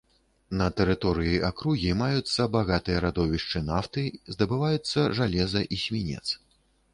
На тэрыторыі акругі маюцца багатыя радовішчы нафты, здабываюцца жалеза і свінец.